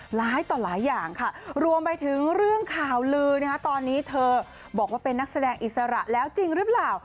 หลายต่อหลายอย่างค่ะรวมไปถึงเรื่องข่าวลือตอนนี้เธอบอกว่าเป็นนักแสดงอิสระแล้วจริงหรือเปล่า